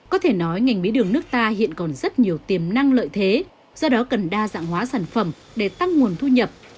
có thể nói ngành mía đường nước ta hiện còn rất nhiều tiềm năng lợi thế do đó cần đa dạng hóa sản phẩm để tăng nguồn thu nhập